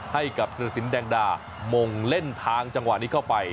ให้กับธุรสินแดงดามงเล่นทางจังหวะนี้เข้าไป